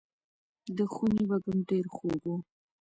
د خونې وږم ډېر خوږ و.